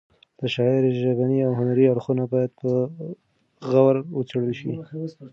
د شاعر ژبني او هنري اړخونه باید په غور وڅېړل شي.